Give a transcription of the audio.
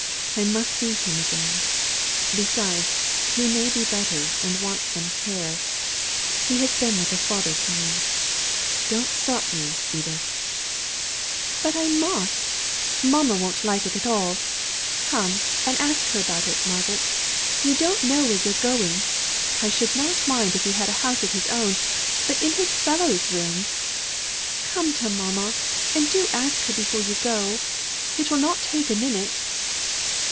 I must see him again. Besides, he may be better, and want some care. He has been like a father to me. Don't stop me, Edith." "But I must. Mamma won't like it at all. Come and ask her about it, Margaret. You don't know where you're going. I should not mind if he had a house of his own; but in his Fellow's rooms! Come to mamma, and do ask her before you go. It will not take a minute."